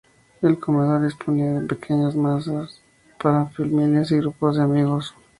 El comedor disponía de pequeñas mesas para familias y grupos de amigos.